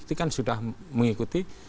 itu kan sudah mengikuti